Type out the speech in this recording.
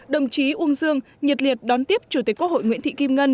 đồng chí uông dương nhiệt liệt đón tiếp chủ tịch quốc hội nguyễn thị kim ngân